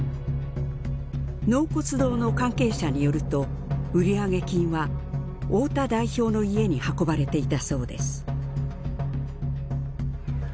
納骨堂の関係者によると売上金は太田代表の家に運ばれていたそうです。